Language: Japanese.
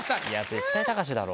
絶対たかしだろ。